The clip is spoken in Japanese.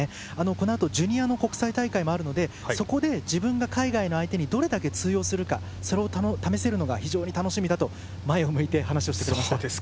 このあとジュニアの国際大会もあるのでそこで自分が海外の相手にどれだけ通用するかそれを試せるのが非常に楽しみだと前を向いて話をしてくれました。